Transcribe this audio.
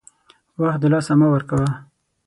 وخت دلاسه مه ورکوه !